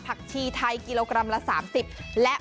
ผักชีไทยกิโลกรัมละ๓๐บาท